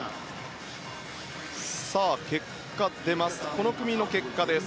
この組の結果です。